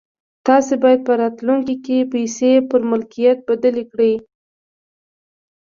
تاسې بايد په راتلونکي کې پيسې پر ملکيت بدلې کړئ.